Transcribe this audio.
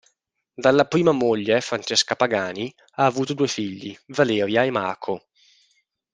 Dalla prima moglie, Francesca Pagani, ha avuto due figli, Valeria e Marco.